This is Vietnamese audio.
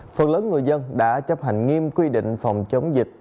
phần lớn người dân đã chấp hành nghiêm quy định phòng chống dịch